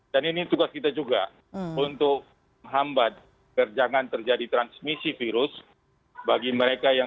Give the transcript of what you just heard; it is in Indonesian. dan ini tugas kita juga